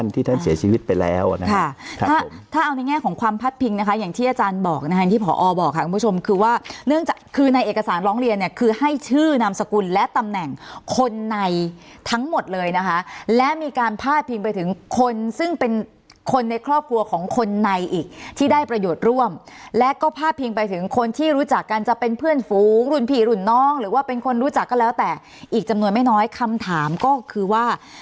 ที่อาจารย์บอกนะคะที่ผอบอกค่ะคุณผู้ชมคือว่าเนื่องจากคือในเอกสารร้องเรียนเนี้ยคือให้ชื่อนามสกุลและตำแหน่งคนในทั้งหมดเลยนะคะและมีการพาดพิงไปถึงคนซึ่งเป็นคนในครอบครัวของคนในอีกที่ได้ประโยชน์ร่วมและก็พาดพิงไปถึงคนที่รู้จักกันจะเป็นเพื่อนฟุ้งหลุ่นผีหลุ่นน้องหรือว่าเป็นคนรู้จักก็แล้ว